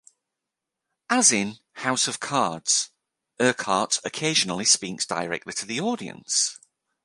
As in "House of Cards", Urquhart occasionally speaks directly to the audience.